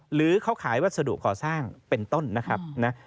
หรือเขาขายวัสดุก่อสร้างเป็นต้นนะครับนะ